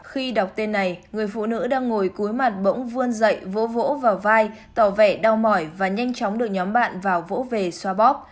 khi đọc tên này người phụ nữ đang ngồi cuối màn bỗng vươn dậy vỗ vào vai tỏ vẻ đau mỏi và nhanh chóng được nhóm bạn vào vỗ về xoa bóp